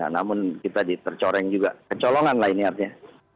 namun kita tercoreng juga kecolongan lah ini artinya